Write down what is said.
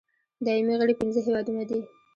دایمي غړي پنځه هېوادونه دي.